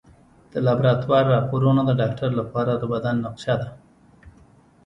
د لابراتوار راپورونه د ډاکټر لپاره د بدن نقشه ده.